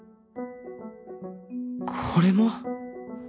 これも？